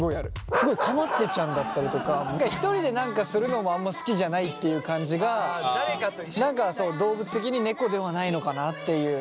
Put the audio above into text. すごいかまってちゃんだったりとか一人で何かするのもあんま好きじゃないっていう感じが動物的に猫ではないのかなっていう。